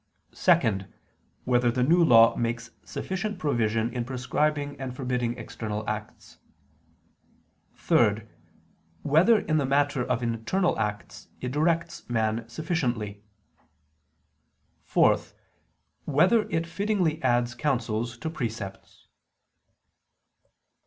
(2) Whether the New Law makes sufficient provision in prescribing and forbidding external acts? (3) Whether in the matter of internal acts it directs man sufficiently? (4) Whether it fittingly adds counsels to precepts?